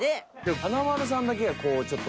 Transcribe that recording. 華丸さんだけがちょっと。